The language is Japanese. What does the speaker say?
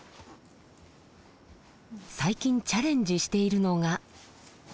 最近チャレンジしているのが。